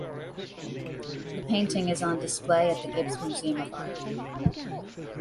The painting is on display at the Gibbes Museum of Art.